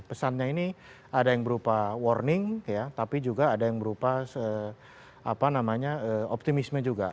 pesannya ini ada yang berupa warning tapi juga ada yang berupa optimisme juga